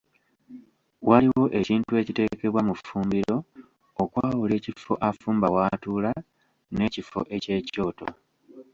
Waliwo ekintu ekiteekebwa mu ffumbiro okwawula ekifo afumba w’atuula n’ekifo eky’ekyoto.